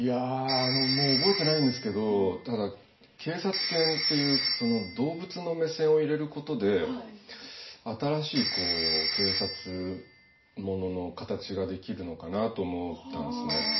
もう覚えてないんですけど警察犬っていう動物の目線を入れることで新しい警察ものの形ができるのかなと思ったんですね。